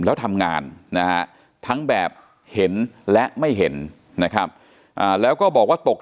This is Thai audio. แล้วทำงานนะฮะทั้งแบบเห็นและไม่เห็นนะครับแล้วก็บอกว่าตก